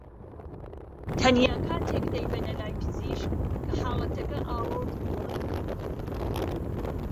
تەنیا کاتێک دەیبەنە لای پزیشک کە حاڵەتەکە ئاڵۆز بووە